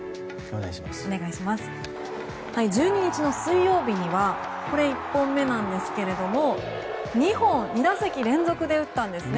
１２日の水曜日にはこれは１本目なんですが２本、２打席連続で打ったんですね。